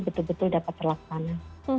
betul betul dapat terlaksana